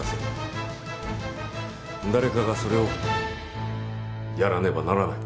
誰かがそれをやらねばならない。